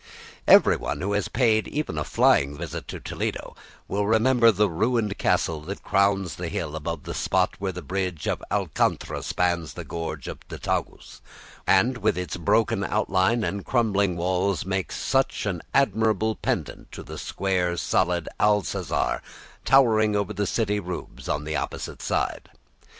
Everyone who has paid even a flying visit to Toledo will remember the ruined castle that crowns the hill above the spot where the bridge of Alcantara spans the gorge of the Tagus, and with its broken outline and crumbling walls makes such an admirable pendant to the square solid Alcazar towering over the city roofs on the opposite side.